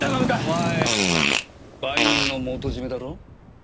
お前売人の元締だろ？